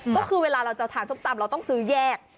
ก็คือเวลาเราจะทานส้มตำเราต้องซื้อแยก